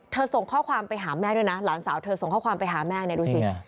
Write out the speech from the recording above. ส่งข้อความไปหาแม่ด้วยนะหลานสาวเธอส่งข้อความไปหาแม่เนี่ยดูสิ